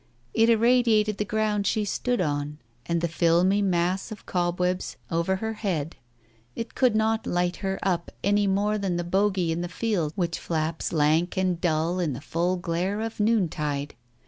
It irradiated the ground she stood on and the filmy mass of cobwebs over Digitized by Google THE TIGER SKIN 277 her head ; it could not light her up, any more than the bogey in the fields which flaps lank and dull in the full glare of noontide.